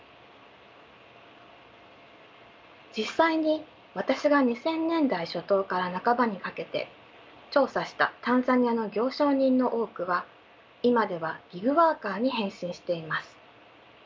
実際に私が２０００年代初頭から半ばにかけて調査したタンザニアの行商人の多くは今ではギグワーカーに変身しています。